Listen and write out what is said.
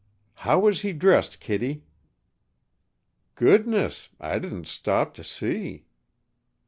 "How was he dressed, Kittie?" "Goodness! I didn't stop to see."